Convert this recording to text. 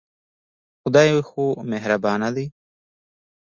خدای خو مهربانه دی.